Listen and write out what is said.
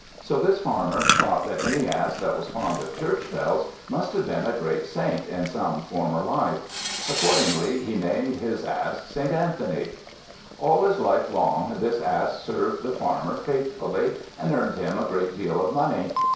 So this Farmer thought that any Ass that was fond of church bells, must have been a great saint in some former life. Accordingly, he named his Ass St. Anthony. All his life long, this Ass served the Farmer faithfully, and earned him a great deal of money.